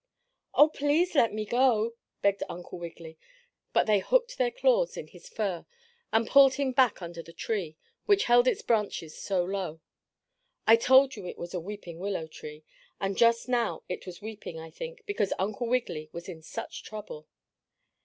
"Oh, please let me go!" begged Uncle Wiggily, but they hooked their claws in his fur, and pulled him back under the tree, which held its branches so low. I told you it was a weeping willow tree, and just now it was weeping, I think, because Uncle Wiggily was in such trouble.